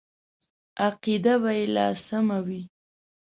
عقیده به یې لا سمه وي.